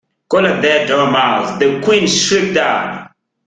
‘Collar that Dormouse,’ the Queen shrieked out.